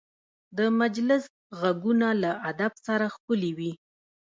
د مجلس غږونه له ادب سره ښکلي وي